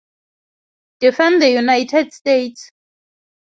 Defend the United States.